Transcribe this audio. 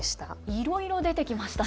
いろいろ出てきましたね。